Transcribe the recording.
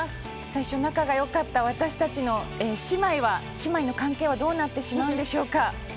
最初仲良かった私たち姉妹の関係はどうなってしまうのでしょうか。